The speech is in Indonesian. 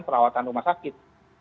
perawatan rumah sakit